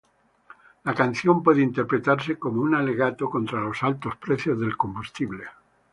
La canción puede interpretarse como un alegato contra los altos precios del combustible.